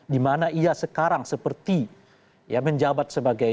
dimana ia sekarang seperti menjabat sebagai